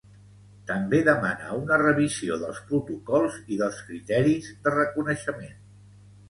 També demana una revisió dels protocols i dels criteris de reconeixement.